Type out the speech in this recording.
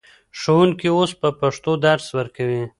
ښوونکي اوس په پښتو درس ورکوي.